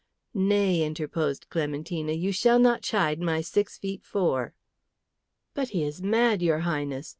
"Nay," interposed Clementina, "you shall not chide my six feet four." "But he is mad, your Highness.